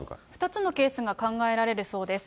２つのケースが考えられるそうです。